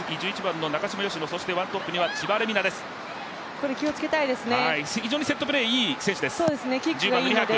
これ、気をつけたいですね。